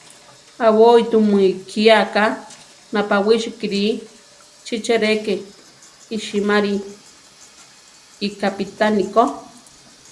Aʼbói tu mi ikía ka napawísi kíri; chi che rʼe ke iʼsimári iʼkápitani ko.